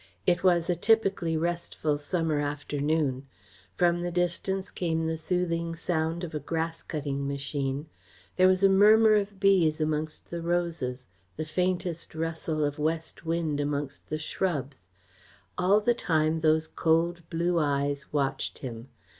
It was a typically restful summer afternoon. From the distance came the soothing sound of a grass cutting machine. There was a murmur of bees amongst the roses, the faintest rustle of west wind amongst the shrubs. All the time those cold blue eyes watched him.